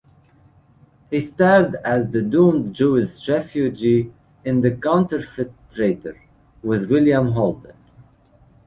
He starred as the doomed Jewish refugee in "The Counterfeit Traitor" with William Holden.